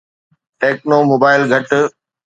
techno mobile گهٽ